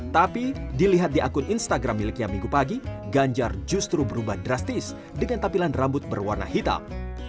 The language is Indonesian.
tapi dilihat di akun instagram miliknya minggu pagi ganjar justru berubah drastis dengan tampilan rambut berwarna hitam